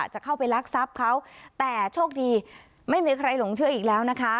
จะเข้าไปรักทรัพย์เขาแต่โชคดีไม่มีใครหลงเชื่ออีกแล้วนะคะ